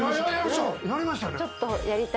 やりました。